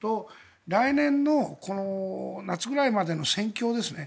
来年の夏ぐらいまでの戦況ですね。